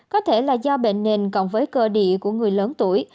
có thể là do bệnh nền cộng với cơ địa của người lớn tuổi